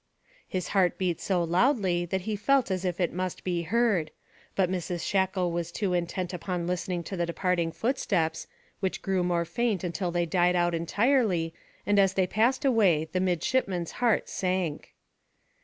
His heart beat so loudly that he felt as if it must be heard, but Mrs Shackle was too intent upon listening to the departing footsteps, which grew more faint till they died out entirely, and as they passed away the midshipman's heart sank.